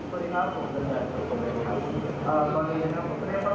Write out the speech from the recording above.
ต้องหาพบกับพี่